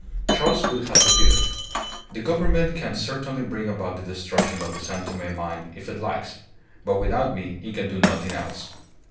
Charles Gould had repeated: "The Government can certainly bring about the destruction of the San Tome mine if it likes; but without me it can do nothing else."